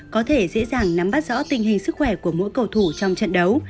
có thể dễ dàng nắm bắt rõ tình hình sức khỏe của mỗi cầu thủ trong trận đấu